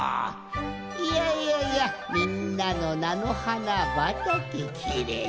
いやいやいやみんなのなのはなばたけきれいじゃのう。